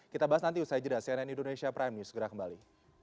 kita bahas nanti usai jeda cnn indonesia prime news segera kembali